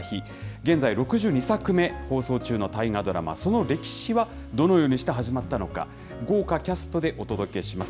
現在６２作目、放送中の大河ドラマ、その歴史はどのようにして始まったのか、豪華キャストでお届けします。